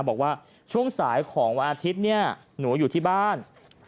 บอกว่าช่วงสายของวาทิศหนูอยู่ที่บ้าน